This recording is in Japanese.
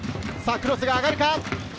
クロスが上がるか？